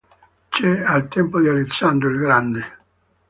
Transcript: C, al tempo di Alessandro il Grande.